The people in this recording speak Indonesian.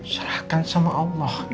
serahkan sama allah